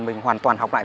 mình hoàn toàn học lại